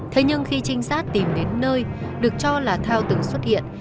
thế nhưng khi trinh sát tìm đến nơi được cho là thao từng xuất hiện